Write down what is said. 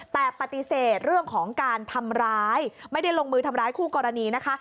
แต่ปฏิเสธเรื่องของการทำร้ายไม่ได้ลงมือทำร้ายคู่กรณีนะคะ